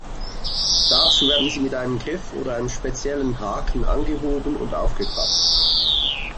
Dazu werden sie mit einem Griff oder einem speziellen Haken angehoben und aufgeklappt.